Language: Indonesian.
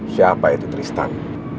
siapa itu tristan